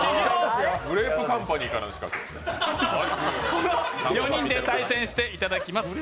この４人で対戦していただきます。